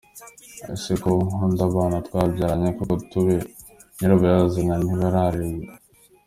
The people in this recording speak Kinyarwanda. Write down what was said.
Ese ko nkunda abana twabyaranye koko tube nyirabayazana ntibarererwe.